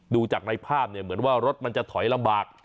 ดูจากในภาพเนี่ยเหมือนว่ารถมันจะถอยลำบาก